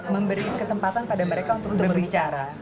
memberi kesempatan pada mereka untuk berbicara